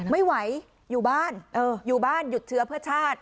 ไม่ไหวอยู่บ้านอยู่บ้านหยุดเชื้อเพื่อชาติ